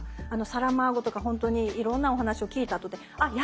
あのサラマーゴとかほんとにいろんなお話を聞いたあとであ